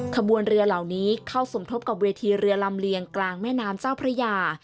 ขบวนเรือเหล่านี้เข้าสมทบกับเวทีเรือลำเลียงกลางแม่น้ำเจ้าพระยา